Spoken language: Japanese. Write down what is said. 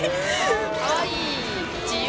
かわいい、自由、